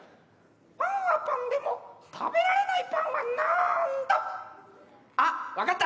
「パンはパンでも食べられないパンはなんだ」。あっ分かった！